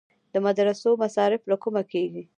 د مدرسو مصارف له کومه کیږي؟